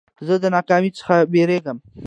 زه د ناکامۍ څخه بېرېږم.